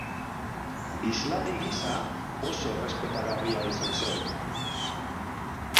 Hizlari gisa, oso errespetagarria izan zen.